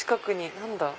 何だ？